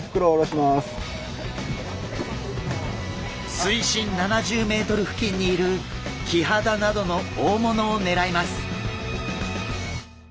水深７０ｍ付近にいるキハダなどの大物を狙います。